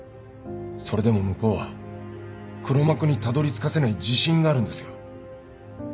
それでも向こうは黒幕にたどりつかせない自信があるんですよ。